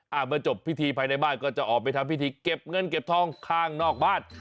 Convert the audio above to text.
เมื่อจบพิธีภายในบ้านก็จะออกไปทำพิธีเก็บเงินเก็บทองข้างนอกบ้าน